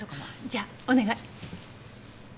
じゃあお願い。